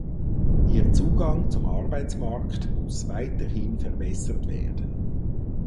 Ihr Zugang zum Arbeitsmarkt muss weiterhin verbessert werden.